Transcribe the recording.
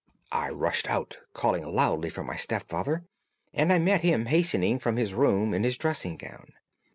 I rushed out, calling loudly for my stepfather, and I met him hastening from his room in his dressing gown.